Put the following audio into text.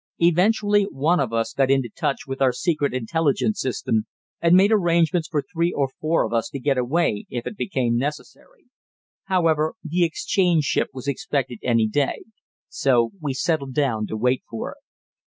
Eventually one of us got into touch with our secret intelligence system and made arrangements for three or four of us to get away if it became necessary. However, the exchange ship was expected any day, so we settled down to wait for it.